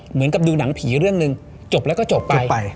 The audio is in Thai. เหมือนกับดูหนังผีเรื่องหนึ่งจบแล้วก็จบไป